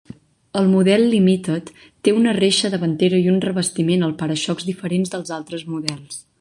El model Limited té una reixa davantera i un revestiment al para-xocs diferents dels d'altres models.